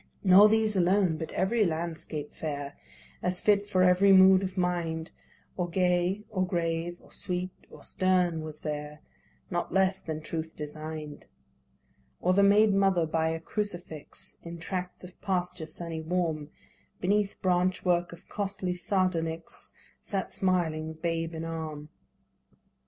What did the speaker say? Nor these alone, but every landscape fair, As fit for every mood of mind, Or gay, or grave, or sweet, or stern, was there, Not less than truth design'd. Or the maid mother by a crucifix. In tracts of pasture sunny warm. Beneath branch work of costly sardonyx Sat smiling, babe in arm.